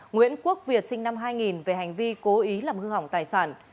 nguyễn quốc việt sinh năm hai nghìn về hành vi cố ý làm hư hỏng tài sản